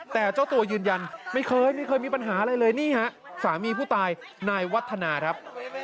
แต่เจ้าตัวยืนยันไม่เคยไม่เคยมีปัญหาอะไรเลยนี่ฮะสามีผู้ตายนายวัฒนาครับ